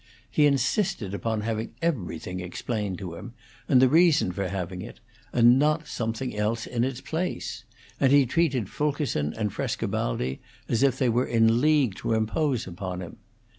He insisted upon having everything explained to him, and the reason for having it, and not something else in its place; and he treated Fulkerson and Frescobaldi as if they were in league to impose upon him.